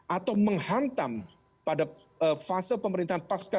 atau menghantam pada fase pemerintahan pasca dua ribu dua puluh empat